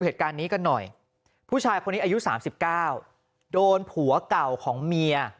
เหตุการณ์นี้กันหน่อยผู้ชายคนนี้อายุ๓๙โดนผัวเก่าของเมีย